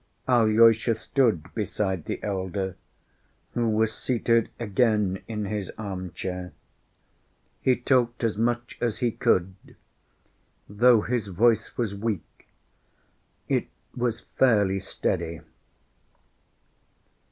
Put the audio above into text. Alyosha stood beside the elder, who was seated again in his arm‐chair. He talked as much as he could. Though his voice was weak, it was fairly steady.